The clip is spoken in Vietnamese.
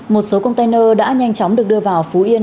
một số container đã nhanh chóng được đưa vào phú yên